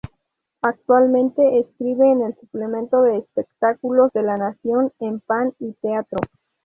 Actualmente escribe en el suplemento de espectáculos de La Nación, en Pan y Teatro.